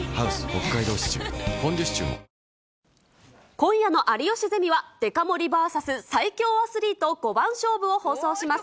今夜の有吉ゼミは、デカ盛りＶＳ最強アスリート５番勝負を放送します。